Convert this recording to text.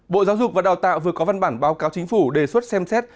bộ giáo dục và đào tạo vừa có văn bản báo cáo chính phủ đề xuất xem xét